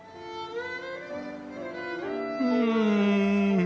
うん！